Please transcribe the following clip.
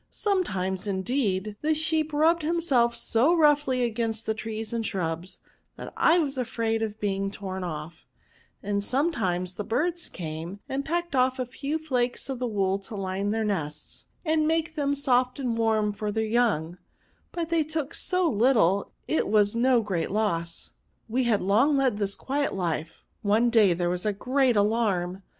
Sometimes, indeed, the sheep rubbed himself so roughly against the trees and shrubs, that I was afraid of being torn off; and sometimes the birds came and pecked off a few flakes of the wool to line their nests and make them soft and warm for their young, but they took so little it was no great loss. We had long led this quiet life ; one day there was a great alarm.